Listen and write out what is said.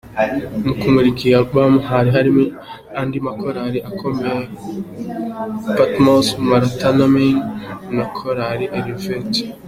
Mu kumurika iyi album hari andi makorali akomeye Patmos, Maranatha Men na Korali Elevate.